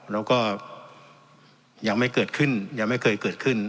แล้วก็ยังไม่เกิดขึ้นยังไม่เคยเกิดขึ้น